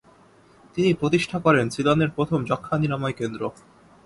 তিনি প্রতিষ্ঠা করেন সিলনের প্রথম যক্ষ্মা-নিরাময় কেন্দ্র।